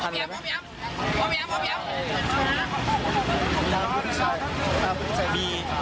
ผมเหีย้ม